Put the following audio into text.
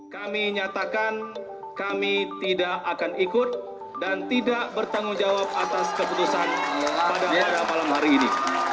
kami nyatakan kami tidak akan ikut dan tidak bertanggung jawab atas keputusan pada malam hari ini